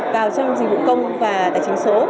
vào trong dịch vụ công và tài chính số